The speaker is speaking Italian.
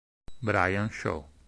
Brian Shaw